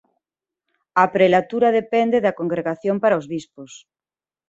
A prelatura depende da "Congregación para os Bispos".